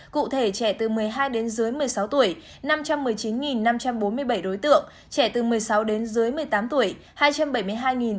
cụ thể trẻ từ một mươi hai đến dưới một mươi sáu tuổi năm trăm một mươi chín năm trăm bốn mươi bảy đối tượng trẻ từ một mươi sáu đến dưới một mươi tám tuổi hai trăm bảy mươi hai ba trăm bảy mươi bốn đối tượng